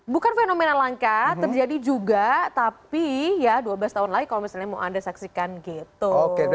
bukan fenomena langka terjadi juga tapi ya dua belas tahun lagi kalau misalnya mau anda saksikan gitu